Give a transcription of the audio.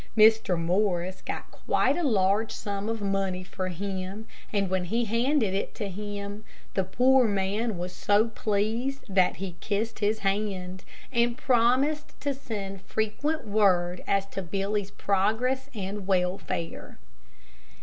Mr. Morris got quite a large sum of money for him, and when he handed it to him, the poor man was so pleased that he kissed his hand, and promised to send frequent word as to Billy's progress and welfare.